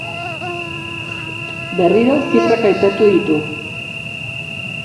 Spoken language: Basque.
Berriro zifrak aipatu ditu.